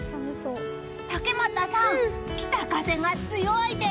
竹俣さん、北風が強いです。